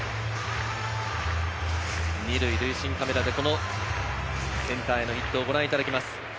２塁塁審カメラでセンターへのヒットをご覧いただいています。